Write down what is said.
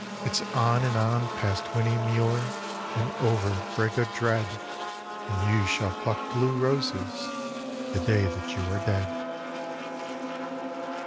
Ifs on and on fast IFhinny Muir and over Brig o' Dread. And you shall pluck blue roses the day that you are dead.